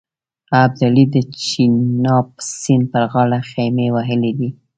ابدالي د چیناب سیند پر غاړه خېمې وهلې دي.